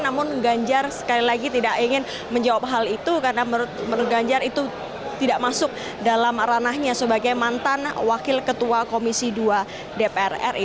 namun ganjar sekali lagi tidak ingin menjawab hal itu karena menurut ganjar itu tidak masuk dalam ranahnya sebagai mantan wakil ketua komisi dua dpr ri